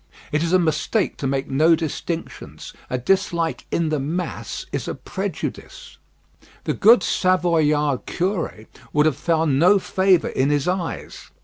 It is a mistake to make no distinctions: a dislike in the mass is a prejudice. The good Savoyard curé would have found no favour in his eyes.